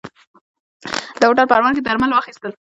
ده هوټل پروان کې درمل واخيستل.